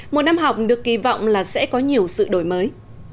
một năm học được kỳ vọng là sẽ có nhiều sự đổi mới